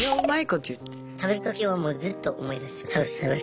食べる時はもうずっと思い出します